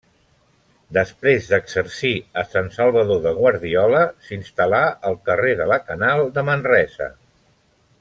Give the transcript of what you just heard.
Després d'exercir a Sant Salvador de Guardiola, s'instal·là al carrer de la Canal de Manresa.